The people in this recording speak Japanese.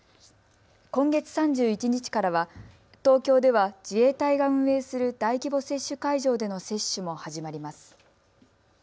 今月３１日からは東京では、自衛隊が運営する大規模接種会場での接種も始まります。